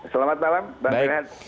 selamat malam bang renan